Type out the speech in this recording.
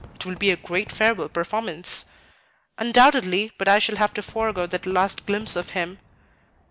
It will be a great farewell performance." "Undoubtedly, but I shall have to forego that last glimpse of him."